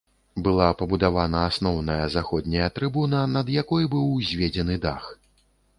Была пабудавана асноўная заходняя трыбуна, над якой быў узведзены дах.